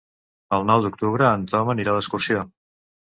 El nou d'octubre en Tom anirà d'excursió.